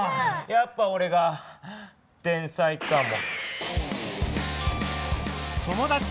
やっぱおれが天才かも。